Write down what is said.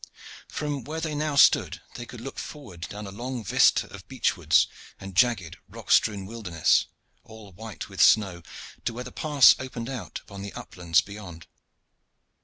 From where they now stood they could look forward down a long vista of beech woods and jagged rock strewn wilderness, all white with snow, to where the pass opened out upon the uplands beyond.